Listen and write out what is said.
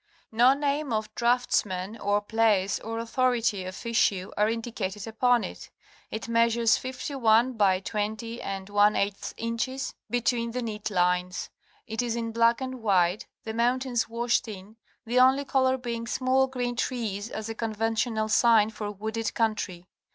No name of draughtsman or place or authority of issue are indicated upon it. It measures 51 by 204 inches between the neat lines. It is in black and white, the mountains washed in, the only color being small green trees as a conventional sign for wooded country.